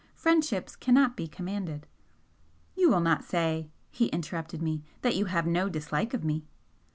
Friendships cannot be commanded." "You will not say," he interrupted me "that you have no dislike of me?"